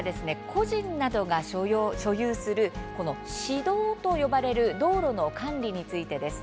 個人などが所有するこの私道と呼ばれる道路の管理についてです。